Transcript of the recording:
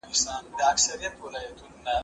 زه به اوږده موده د ژبي تمرين کړی وم..